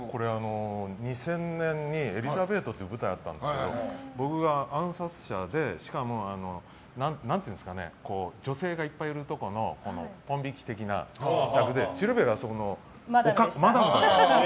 ２０００年に「エリザベート」という舞台があったんですけど僕が暗殺者で、しかも女性がいっぱいいるところのポン引き的な客でシルビアがマダム。